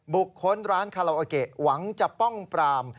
บุคค้นร้านคราวโอเคหวังจะป้องปราม